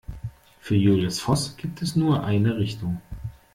Für Julius Voß gibt es nur eine Richtung.